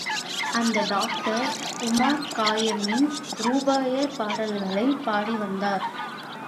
அந்த doctor, Omar கயாமின் Rubaiyat பாடல்களைப் பாடிவந்தார்.